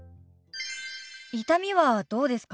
痛みはどうですか？